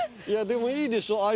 いやでもいいでしょ